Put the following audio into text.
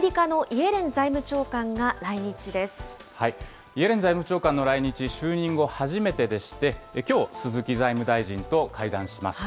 イエレン財務長官の来日、就任後初めてでして、きょう、鈴木財務大臣と会談します。